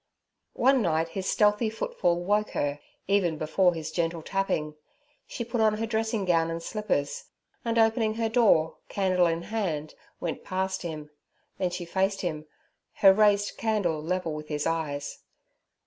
One night his stealthy footfall woke her, even before his gentle tapping. She put on her dressing gown and slippers; and, opening her door, candle in hand, went past him; then she faced him, her raised candle level with his eyes.